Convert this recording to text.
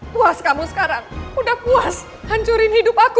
puas kamu sekarang udah puas hancurin hidup aku